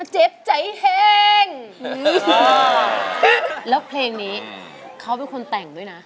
เจ็บใจแห้งแล้วเพลงนี้เขาเป็นคนแต่งด้วยนะ